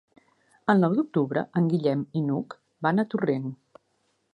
El nou d'octubre en Guillem i n'Hug van a Torrent.